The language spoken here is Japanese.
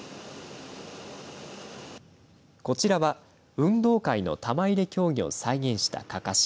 こちらは運動会の玉入れ競技を再現したかかし。